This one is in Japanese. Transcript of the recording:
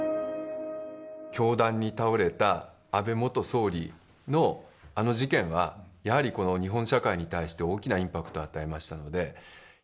凶弾に倒れた安倍元総理のあの事件は、やはりこの日本社会に対して大きなインパクトを与えましたので。